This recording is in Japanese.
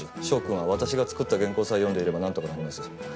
翔くんは私が作った原稿さえ読んでいればなんとかなります。